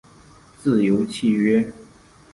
自由契约。